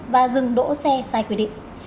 và dừng đỗ xe sai quy định